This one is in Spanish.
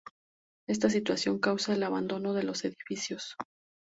Esta situación causa el abandono de los edificios.